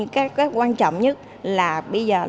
các quan trọng nhất là bây giờ